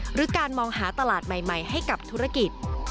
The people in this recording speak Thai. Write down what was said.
หรือการมองหาตลาดใหม่ให้กับธุรกิจ